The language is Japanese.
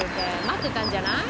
待ってたんじゃない？